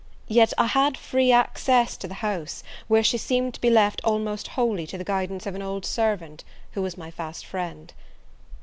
Yet I had free access to the house, where she seemed to be left almost wholly to the guidance of an old servant, who was my fast friend.